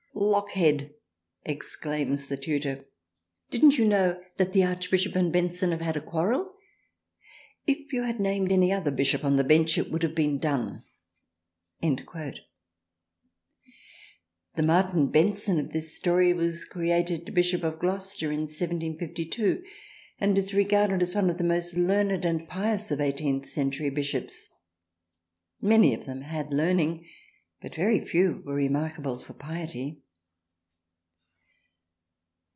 Blockhead ! exclaims the Tutor didn't you know that the Archbishop and Benson have had a Quarrel, if you had named any other Bishop on the Bench, it would have been doneT The Martin Benson of this Story was created Bishop of Gloucester in 1752 and is regarded as one of the most learned and pious of Eighteenth Century Bishops. Many of them had learning, but very few were remarkable for piety.